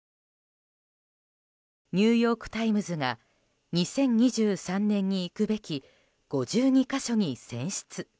ニューヨーク・タイムズが２０２３年に行くべき５２か所に選出。